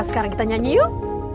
sekarang kita nyanyi yuk